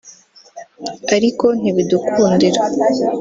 ariko ntibidukundira